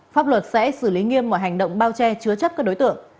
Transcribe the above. pháp luật sẽ xử lý nghiêm mọi hành động bao che chứa chấp các đối tượng